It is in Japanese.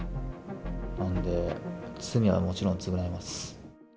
なので罪はもちろん償います。